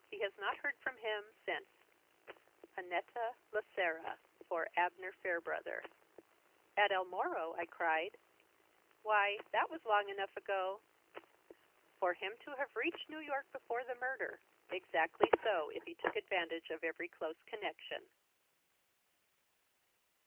He has not heard from him since. "ANNETTA LA SERRA "For Abner Fairbrother." "At El Moro?" I cried. "Why, that was long enough ago." "For him to have reached New York before the murder. Exactly so, if he took advantage of every close connection."